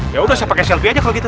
yaudah saya pake selfie aja kalau gitu